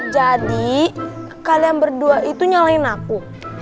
jadi kalian berdua itu nyalahin aku